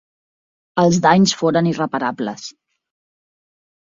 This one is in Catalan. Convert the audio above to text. Els danys foren irreparables.